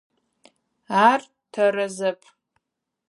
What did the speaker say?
Ар тэрэзэп.